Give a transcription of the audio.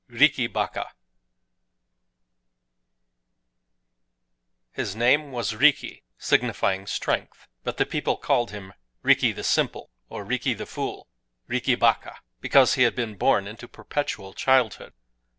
RIKI BAKA His name was Riki, signifying Strength; but the people called him Riki the Simple, or Riki the Fool,—"Riki Baka,"—because he had been born into perpetual childhood.